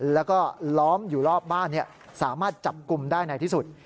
แล้วก็ล้อมอยู่รอบบ้านสามารถจับกลุ่มได้ในที่สุด